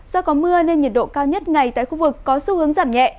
do có mưa nên nhiệt độ cao nhất ngày tại khu vực có xu hướng giảm nhẹ